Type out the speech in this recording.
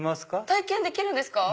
体験できるんですか。